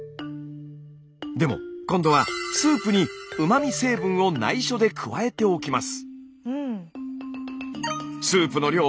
でも今度はスープにうま味成分をないしょで加えておきます。